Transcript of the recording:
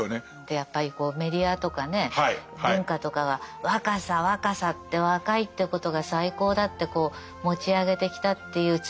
やっぱりメディアとかね文化とかが若さ若さって若いということが最高だってこう持ち上げてきたっていう罪も深いですよね。